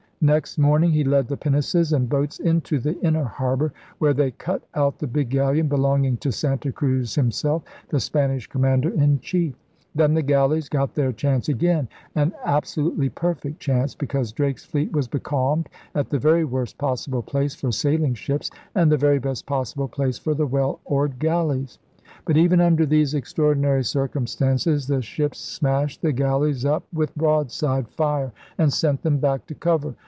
Next morning he led the pinnaces and boats into the inner harbor, where they cut out the big galleon belonging to Santa Cruz himself, the Spanish commander in chief. Then the galleys got their chance again — an absolutely perfect chance, because Drake's fleet was becalmed at the very worst possible place for sailing ships and the very best possible place for the well oared galleys. But even under these extraordinary circumstances the ships smashed the galleys up with broadside fire and sent them back to cover.